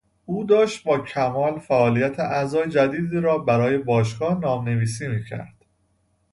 او داشت با کمال فعالیت اعضای جدیدی را برای باشگاه نام نویسی میکرد.